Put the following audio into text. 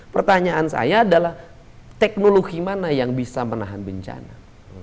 pertanyaan saya adalah teknologi mana yang bisa menahan bencana